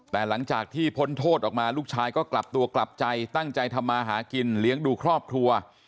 แต่หลังจากที่พ้นโทษออกมาลูกชายก็กลับตัวกลับใจตั้งใจทำมาหากินเลี้ยงดูครอบครัว